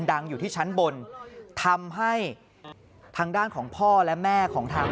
ดังอยู่ที่ชั้นบนทำให้ทางด้านของพ่อและแม่ของทาง